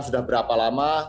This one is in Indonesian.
sudah berapa lama